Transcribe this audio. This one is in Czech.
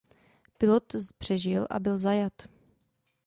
Pilot přežil a byl zajat.